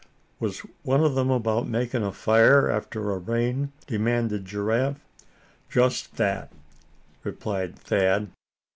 "Was one of them about makin' 'a fire after a rain?'" demanded Giraffe. "Just that," replied Thad.